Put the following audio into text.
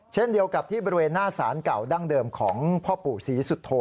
เช่นเดียวกับที่บริเวณหน้าสารเก่าดั้งเดิมของพ่อปู่ศรีสุโธ